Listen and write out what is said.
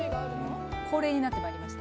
恒例になってまいりました。